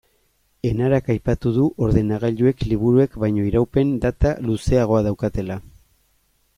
Enarak aipatu du ordenagailuek liburuek baino iraungipen data luzeagoa daukatela.